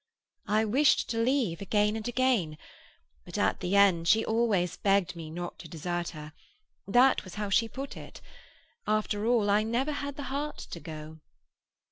"I wished to leave again and again. But at the end she always begged me not to desert her—that was how she put it. After all, I never had the heart to go."